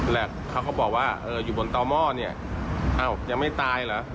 แล้วเขาก็บอกว่าอยู่บนต้อม่อนี่ยังไม่ตายเหรอ